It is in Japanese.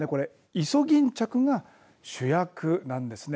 イソギンチャクが主役なんですね。